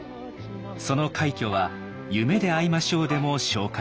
その快挙は「夢であいましょう」でも紹介されました。